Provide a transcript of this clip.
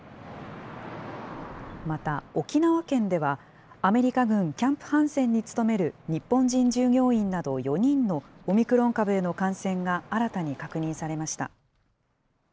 また、沖縄県ではアメリカ軍キャンプ・ハンセンに勤める日本人従業員など４人のオミクロン株への感染が新たに確認されました。